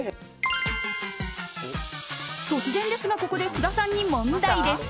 突然ですがここで福田さんに問題です。